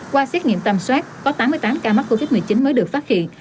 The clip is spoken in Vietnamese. qua xét nghiệm tầm soát có tám mươi tám ca mắc covid một mươi chín mới được phát hiện